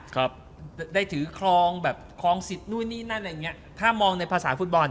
ครับได้ถือครองแบบครองสิทธิ์นู่นนี่นั่นอะไรอย่างเงี้ยถ้ามองในภาษาฟุตบอล